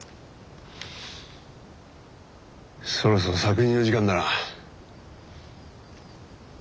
そろそろ搾乳の時間だな。